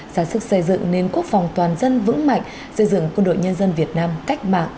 giá sức xây dựng nền quốc phòng toàn dân vững mạnh xây dựng quân đội nhân dân việt nam cách mạng